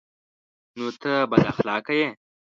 _نو ته بد اخلاقه يې؟